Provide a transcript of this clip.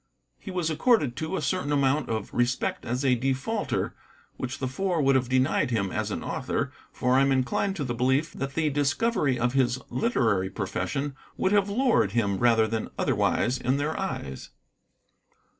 He was accorded, too, a certain amount of respect as a defaulter, which the Four would have denied him as an author, for I am inclined to the belief that the discovery of his literary profession would have lowered him rather than otherwise in their eyes.